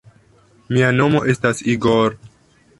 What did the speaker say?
Mia nomo estas Igor.